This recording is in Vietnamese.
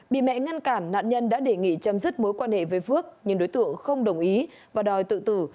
bị mẹ ngăn cản nạn nhân đã đề nghị chấm dứt mối quan hệ với phước nhưng đối tượng không đồng ý và đòi tự tử